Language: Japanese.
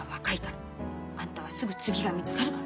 「あんたはすぐ次が見つかるから」。